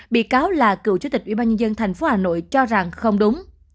bị cáo là cựu chủ tịch ủy ban nhân dân thành phố hà nội cho rằng không đúng